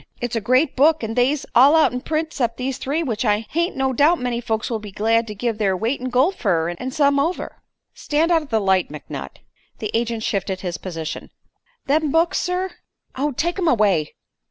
It's a great book an' they's all out'n print 'cept these three, which I hain't no doubt many folks would be glad to give their weight in gold fer, an' some over." "Stand out of the light, McNutt." The agent shifted his position. "Them books, sir " "Oh, take 'em away."